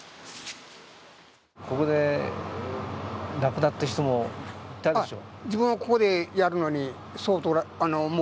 ここで亡くなった人もいたでしょう？